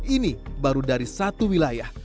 ini baru dari satu wilayah